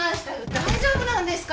大丈夫なんですか？